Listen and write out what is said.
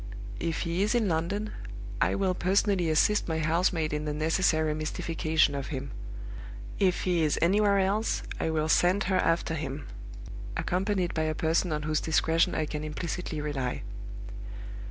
If he is in London, I will personally assist my housemaid in the necessary mystification of him. If he is anywhere else, I will send her after him, accompanied by a person on whose discretion I can implicitly rely.